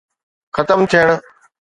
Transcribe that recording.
ختم ٿيڻ.